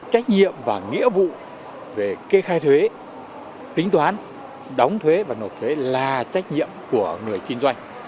trách nhiệm và nghĩa vụ về kê khai thuế tính toán đóng thuế và nộp thuế là trách nhiệm của người kinh doanh